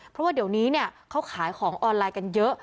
เพราะว่าเดี๋ยวนี้เขาขายของออนไลน์กันเยอะ